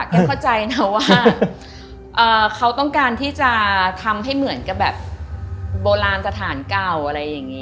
เข้าใจนะว่าเขาต้องการที่จะทำให้เหมือนกับแบบโบราณสถานเก่าอะไรอย่างนี้